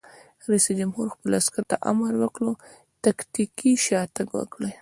رئیس جمهور خپلو عسکرو ته امر وکړ؛ تکتیکي شاتګ وکړئ!